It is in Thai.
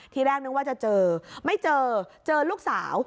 ทีแรกนึกว่าจะเจอไม่เจอเจอลูกสาว